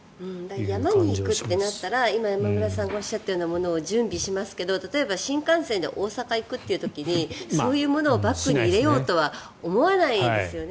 山に行くとなったら今、山村さんがおっしゃったものを準備しますけど、例えば新幹線で大阪に行くという時にそういうものをバッグに入れようとは思わないですよね。